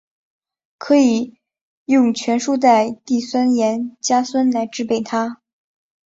可以用全硫代锑酸盐加酸来制备它。